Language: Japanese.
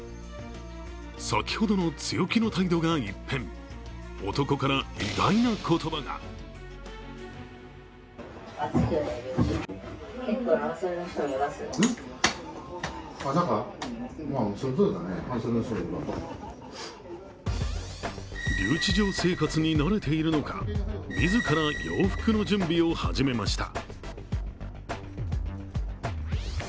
先ほどの強気の態度が一変男から意外な言葉が留置場生活に慣れているのか、自ら洋服の準備を始めました。